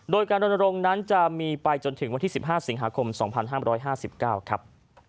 โดยการรณรงค์นั้นจะมีไปจนถึงวันที่๑๕สิงหาคม๒๕๕๙ครับ